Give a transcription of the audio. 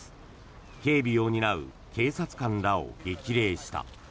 警備を担う警察官らを激励した。